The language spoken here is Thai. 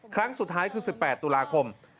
ครั้งสุดท้ายคือ๑๘ตุลาคม